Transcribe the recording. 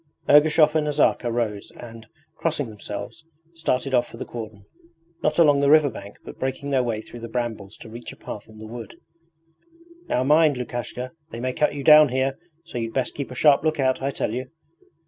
Ergushov and Nazarka rose and, crossing themselves, started off for the cordon not along the riverbank but breaking their way through the brambles to reach a path in the wood. 'Now mind, Lukashka they may cut you down here, so you'd best keep a sharp look out, I tell you!'